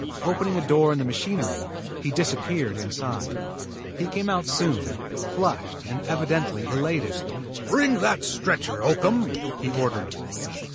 Opening a door in the machinery, he disappeared inside. He came out soon, flushed and evidently elated. "Bring the stretcher, Oakham," he ordered.